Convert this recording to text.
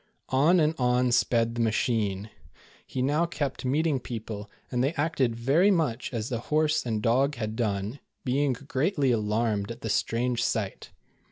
On and on sped the machine. He now kept meeting people, and they acted very much as the horse and dog had done, being greatly alarmed at the strange sight.